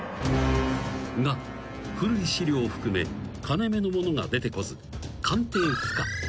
［が古い資料を含め金目の物が出てこず鑑定不可］